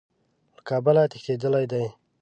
له کابله تښتېدلی دی.